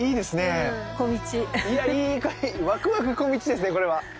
ワクワク小道ですねこれは。